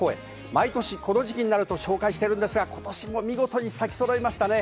毎年この時期になると紹介しているんですが、今年も見事に咲きそろいましたね。